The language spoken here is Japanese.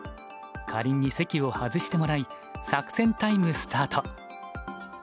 かりんに席を外してもらい作戦タイムスタート。